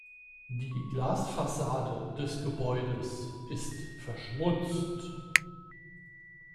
Die Glasfassade des Gebäudes ist verschmutzt.